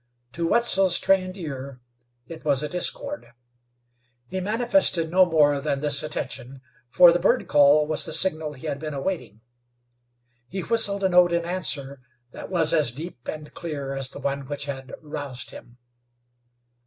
To Wetzel's trained ear it was a discord. He manifested no more than this attention, for the birdcall was the signal he had been awaiting. He whistled a note in answer that was as deep and clear as the one which had roused him.